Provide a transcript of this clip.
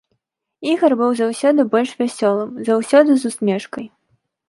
Ігар быў заўсёды больш вясёлым, заўсёды з усмешкай.